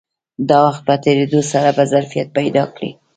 د وخت په تېرېدو سره به ظرفیت پیدا کړي